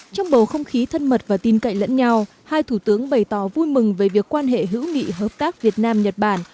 trong bầu không khí thân mật và tin cậy lẫn nhau hai thủ tướng bày tỏ vui mừng về việc quan hệ hữu nghị hợp tác việt nam nhật bản